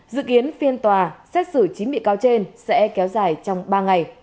dự kiến phiên tòa xét xử chính bị cao trên sẽ kéo dài trong ba ngày